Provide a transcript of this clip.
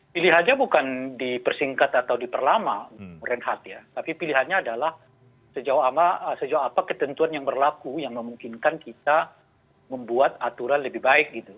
pilihannya bukan dipersingkat atau diperlama renhat ya tapi pilihannya adalah sejauh apa ketentuan yang berlaku yang memungkinkan kita membuat aturan lebih baik gitu